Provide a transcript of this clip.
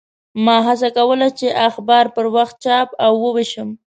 ما هڅه کوله چې اخبار پر وخت چاپ او ووېشم.